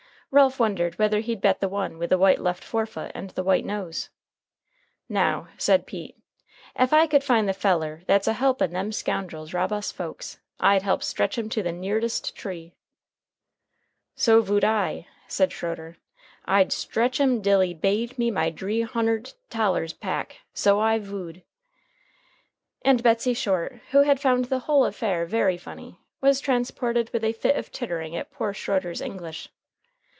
Ralph wondered whether he'd bet the one with the white left forefoot and the white nose. "Now," said Pete, "ef I could find the feller that's a helpin' them scoundrels rob us folks, I'd help stretch him to the neardest tree." "So vood I," said Schroeder. "I'd shtretch him dill he baid me my dree huntert tollars pack, so I vood." And Betsey Short, who had found the whole affair very funny, was transported with a fit of tittering at poor Schroeder's English.